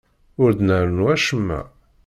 Ur d-nrennu acemma.